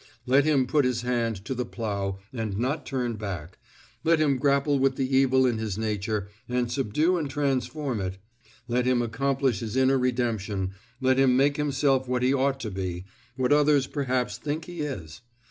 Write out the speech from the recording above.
Let him put his hand to the plough and not turn back, let him grapple with the evil in his nature and subdue and transform it, let him accomplish his inner redemption, let him make himself what he ought to be what others perhaps think he is.